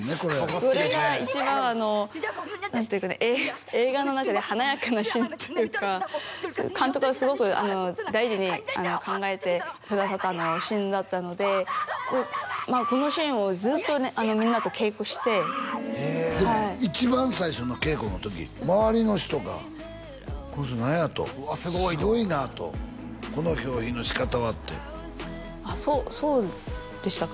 これが一番何ていうかな映画の中で華やかなシーンというか監督がすごく大事に考えてくださったシーンだったのでこのシーンをずっとみんなと稽古してへえでも一番最初の稽古の時周りの人が「この人何や？」と「すごいな」と「このひょう依の仕方は」ってあっそうでしたか？